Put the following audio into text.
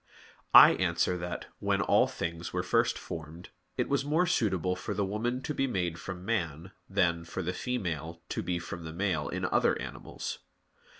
I answer that, When all things were first formed, it was more suitable for the woman to be made from man than (for the female to be from the male) in other animals.